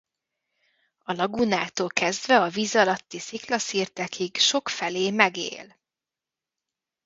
A lagúnáktól kezdve a vízalatti sziklaszirtekig sokfelé megél.